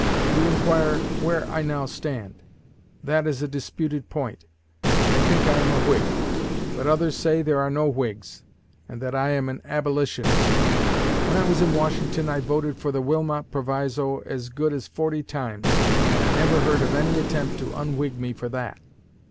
You inquire where I now stand. That is a disputed point. I think I am a Whig; but others say there are no Whigs, and that I am an Abolitionist. When I was in Washington I voted for the Wilmot Proviso as good as forty times, and I never heard of any attempt to unwhig me for that.